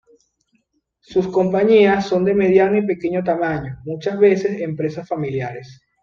Sus compañías son de mediano y pequeño tamaño, muchas veces empresas familiares.